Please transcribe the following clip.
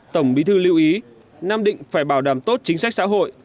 tổng bí thư lưu ý nam định phải bảo đảm tốt chính sách xã hội